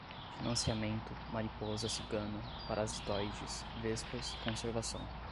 financiamento, mariposa cigana, parasitoides, vespas, conservação